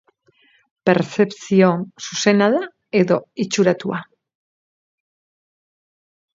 Perzepzio zuzena da edo itxuratua?